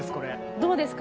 どうですか？